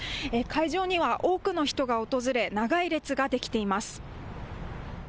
会場には多くの人が訪れ長い列ができています。